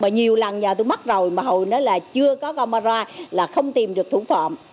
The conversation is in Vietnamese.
nhiều lần nhà tôi mắc rồi mà hồi đó là chưa có camera là không tìm được thủ phạm